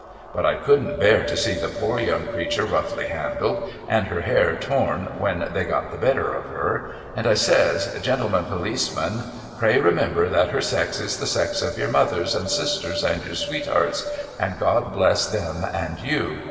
But I couldn't bear to see the poor young creature roughly handled and her hair torn when they got the better of her, and I says ' Gentlemen Policemen ]:iray remember that her sex is the sex of your mothers and sisters and your sweethearts, and God bless them and you